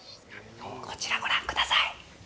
こちらご覧ください。